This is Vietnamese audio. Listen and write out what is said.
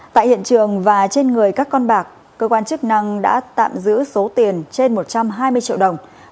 tại hiện trường và trên người các con bạc cơ quan chức năng đã tạm giữ số tiền trên một trăm hai mươi triệu đồng